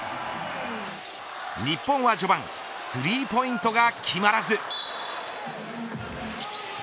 日本は序盤スリーポイントが決まらず。